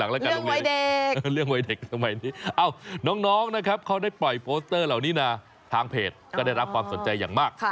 ไอ้ผู้น้องก็ได้ปล่อยโปสเตอร์เหล่านี้ทางเพจได้รับความสนใจอย่างมาก